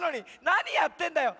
なにやってんだよ！